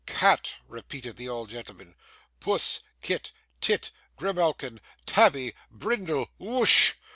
'Cat!' repeated the old gentleman. 'Puss, Kit, Tit, Grimalkin, Tabby, Brindle! Whoosh!